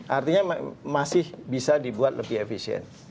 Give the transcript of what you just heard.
artinya masih bisa dibuat lebih efisien